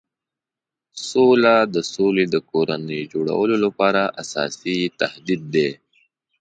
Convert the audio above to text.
سوله د سولې د کورنۍ جوړولو لپاره اساسي تهدید دی.